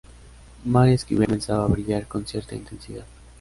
Mary Esquivel comenzaba a brillar con cierta intensidad.